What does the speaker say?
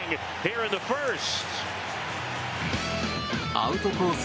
アウトコース